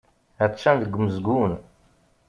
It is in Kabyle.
Attan deg umezgun.